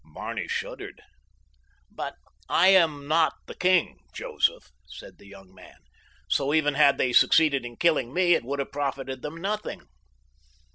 Barney shuddered. "But I am not the king, Joseph," said the young man, "so even had they succeeded in killing me it would have profited them nothing."